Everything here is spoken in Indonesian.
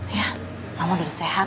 iya mama udah sehat